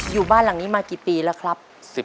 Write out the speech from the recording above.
อยู่บ้านหลังนี้มากี่ปีแล้วครับ